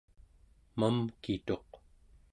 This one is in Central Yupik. mamkituq